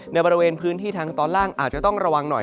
ในบริเวณพื้นที่ทางตอนล่างอาจจะต้องระวังหน่อย